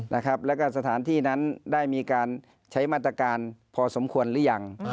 แล้วก็สถานที่นั้นได้มีการใช้มาตรการพอสมควรหรือยัง